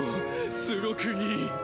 すごくいい。